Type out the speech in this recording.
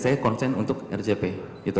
saya konsen untuk rgp gitu